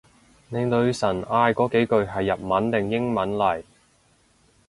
你女神嗌嗰幾句係日文定英文嚟？